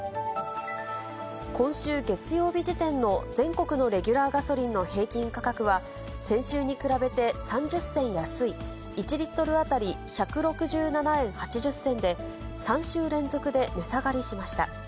今週月曜日時点の全国のレギュラーガソリンの平均価格は、先週に比べて３０銭安い、１リットル当たり１６７円８０銭で、３週連続で値下がりしました。